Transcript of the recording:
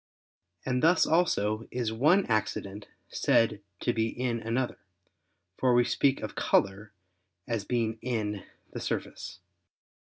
And thus also is one accident said to be in another; for we speak of color as being in the surface.